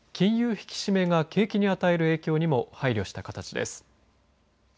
引き締めが景気に与える影響にも配慮した形です。